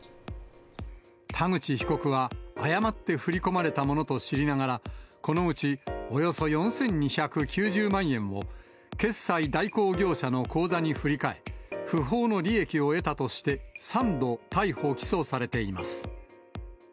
田口被告は誤って振り込まれたものと知りながら、このうちおよそ４２９０万円を、決済代行業者の口座に振り替え、不法の利益を得たとして３度逮捕・起訴されています。